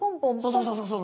そうそうそうそう。